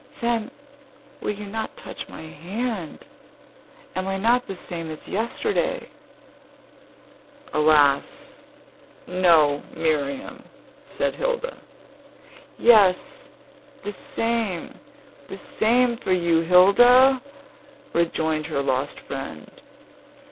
Then, will you not touch my hand? Am I not the same as yesterday?" "Alas! no, Miriam!" said Hilda. "Yes, the same, the same for you, Hilda," rejoined her lost friend.